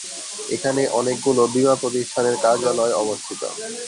এখানে অনেকগুলো বীমা প্রতিষ্ঠানের কার্যালয় অবস্থিত।